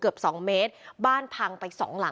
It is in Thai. เบาเบา